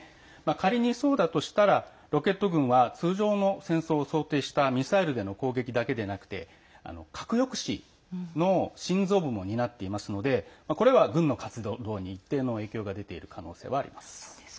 仮に、そうだとしたらロケット軍は通常の戦争を想定したミサイルでの攻撃だけでなくて核抑止の心臓部も担っていますのでこれは軍の活動に一定の影響が出ている可能性はあります。